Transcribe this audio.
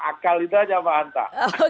akal itu aja pak anta